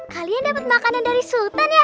kalian dapat makanan dari sultan ya